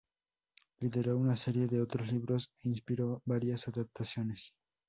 Lideró una serie de otros libros, e inspiró varias adaptaciones.